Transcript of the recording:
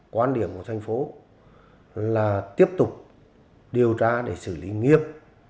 quan điểm của thành phố là tiếp tục điều tra để xử lý nghiêm